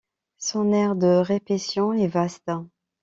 Son aire de répaition est vaste.